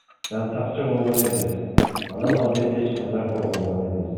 Жансакчы болгон эмес, анан албетте эч кандай корголгон эмес.